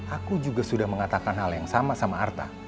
aku juga sudah mengatakan hal yang sama sama arta